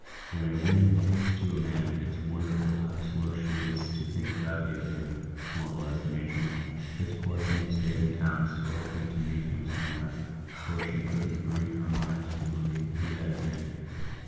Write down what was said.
" When a woman takes to a man, it's wonderful how slow she is to think badly of him," moralised the matron. "This poor thing stayed in town, still hoping to meet with him somewhere, for she couldn't bring her mind to believe he had abandoned her.